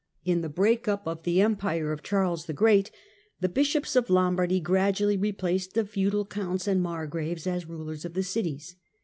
In the break up of the Empire of Charles the Great, the bishops of Lombardy gradually replaced the feudal counts and margraves as rulers of the cities.